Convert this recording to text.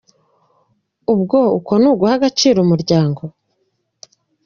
Ubwo uko ni uguha agaciro umuryango!